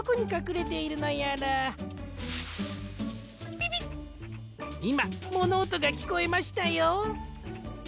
ピピッいまものおとがきこえましたよ。